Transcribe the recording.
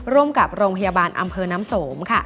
ร่วมกับโรงพยาบาลอำเภอน้ำสม